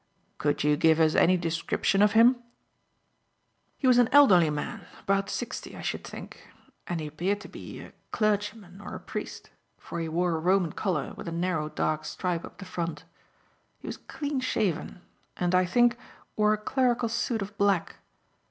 "Could you give us any description of him?" "He was an elderly man, about sixty, I should think, and he appeared to be a clergyman or a priest, for he wore a Roman collar with a narrow, dark stripe up the front. He was clean shaven, and, I think, wore a clerical suit of black.